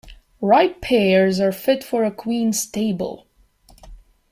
Ripe pears are fit for a queen's table.